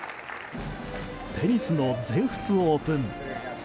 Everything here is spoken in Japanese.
テニスの全仏オープン。